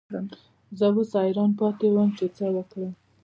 زه اوس حیران پاتې وم چې څه وکړم.